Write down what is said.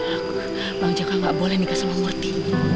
aku bang jaka gak boleh nikah sama murti